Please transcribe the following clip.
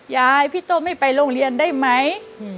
ยายพี่โต้ไม่ไปโรงเรียนได้ไหม